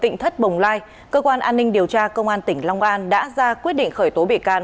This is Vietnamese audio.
tỉnh thất bồng lai cơ quan an ninh điều tra công an tỉnh long an đã ra quyết định khởi tố bị can